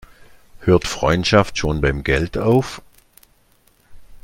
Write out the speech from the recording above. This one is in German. Hört Freundschaft schon beim Geld auf?